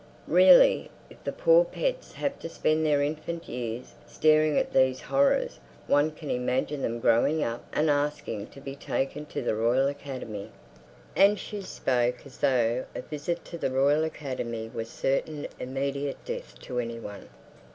Really, if the poor pets have to spend their infant years staring at these horrors, one can imagine them growing up and asking to be taken to the Royal Academy." And she spoke as though a visit to the Royal Academy was certain immediate death to anyone....